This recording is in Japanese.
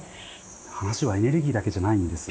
話はエネルギーだけじゃないんですよ。